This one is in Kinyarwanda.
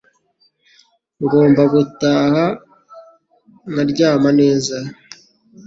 Ngomba gutaha nkaryama neza.